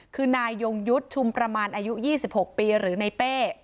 คือนายยงยุทธ์ชุมประมาณอายุ๒๖ปีหรือในเป้